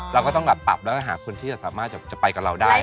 เราก็ต้องแบบปรับแล้วก็หาคนที่จะสามารถจะไปกับเราได้